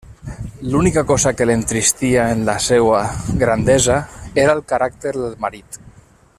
L'única cosa que l'entristia en la seua grandesa era el caràcter del marit.